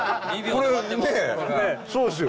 ねえそうですよ。